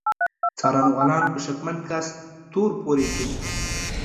څارنوالان په شکمن کس تور پورې کوي.